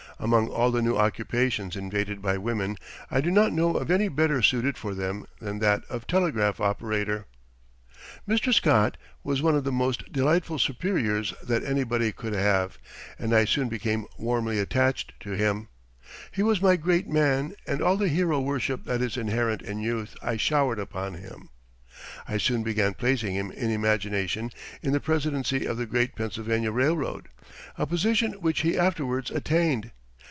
Among all the new occupations invaded by women I do not know of any better suited for them than that of telegraph operator. Mr. Scott was one of the most delightful superiors that anybody could have and I soon became warmly attached to him. He was my great man and all the hero worship that is inherent in youth I showered upon him. I soon began placing him in imagination in the presidency of the great Pennsylvania Railroad a position which he afterwards attained.